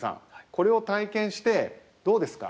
これを体験してどうですか？